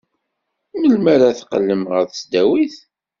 Melmi ara teqqlem ɣer tesdawit?